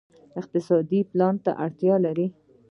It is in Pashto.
اقتصاد پلان ته اړتیا لري